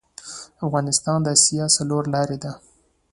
افغانستان د اسیا څلور لارې ده